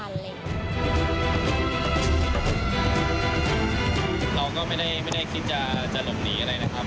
เราก็ไม่ได้คิดจะหลบหนีอะไรนะครับ